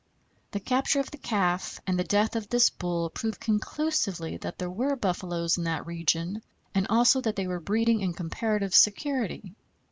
The capture of the calf and the death of this bull proved conclusively that there were buffaloes in that region, and also that they were breeding in comparative security.